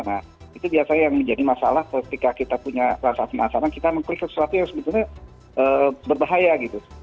nah itu biasanya yang menjadi masalah ketika kita punya rasa penasaran kita mengkritik sesuatu yang sebetulnya berbahaya gitu